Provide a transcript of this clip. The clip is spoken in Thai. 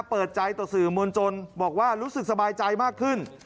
เปิดใจต่อสื่อมวลชนบอกว่ารู้สึกสบายใจมากขึ้น